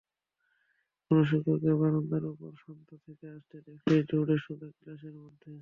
কোনো শিক্ষককে বারান্দার ওপর প্রান্ত থেকে আসতে দেখলেই দৌড়ে সোজা ক্লাসের মধ্যে।